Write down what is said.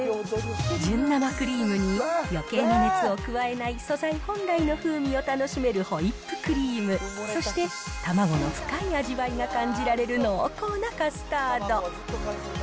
純生クリームに、よけいな熱を加えない素材本来の風味を楽しめるホイップクリーム、そして、卵の深い味わいが感じられる濃厚なカスタード。